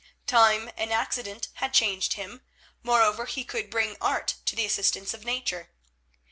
Time and accident had changed him; moreover, he could bring art to the assistance of nature.